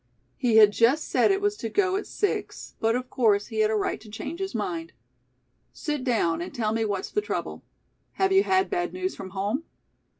He had just said it was to go at six, but, of course, he had a right to change his mind. "Sit down and tell me what's the trouble. Have you had bad news from home?"